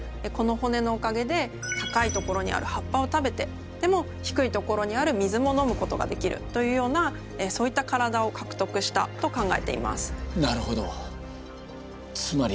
この骨のおかげで高い所にある葉っぱを食べてでも低い所にある水も飲むことができるというようなそういった体を獲得したと考えています。